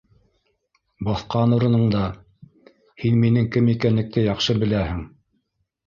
— Баҫҡан урынында, һин минең кем икәнлекте яҡшы беләһең